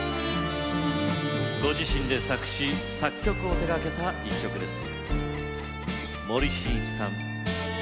ご自身で作詞・作曲を手がけた一曲です。